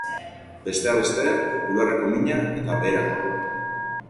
Besteak beste, bularreko mina eta beherakoa.